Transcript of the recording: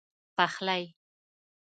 پخلی